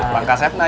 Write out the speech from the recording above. pak kasetna ya